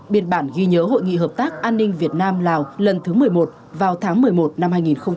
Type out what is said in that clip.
biên bản ghi nhớ hội nghị hợp tác an ninh việt nam lào lần thứ một mươi một vào tháng một mươi một năm hai nghìn hai mươi ba